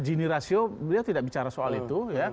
gini ratio beliau tidak bicara soal itu